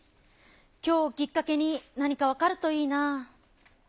きょうをきっかけに何か分かるといいな。